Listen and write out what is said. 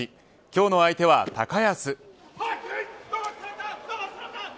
今日の相手は高安。